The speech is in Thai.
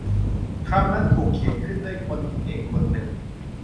คำนั้นถูกเขียนด้วยคนที่เก่งคนหนึ่ง